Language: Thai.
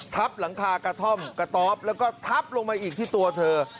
ทับหลังคากระท่อมกระต๊อบแล้วก็ทับลงมาอีกที่ตัวเธอ